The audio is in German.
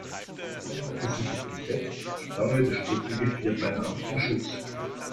Kaum hatte sie sich gesetzt, sprang ihr der struppige Vierbeiner auf den Schoß.